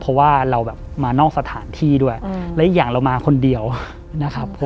เพราะว่าเราแบบมานอกสถานที่ด้วยและอีกอย่างเรามาคนเดียวนะครับ